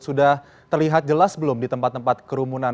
sudah terlihat jelas belum di tempat tempat kerumunan